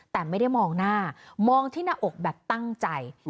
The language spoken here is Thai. แต่ไม่ได้มองหน้ามองที่หน้าอกแบบตั้งใจ